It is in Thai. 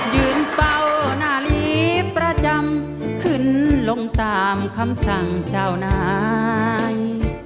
ยืนเฝ้าหน้าลีประจำขึ้นลงตามคำสั่งเจ้านาย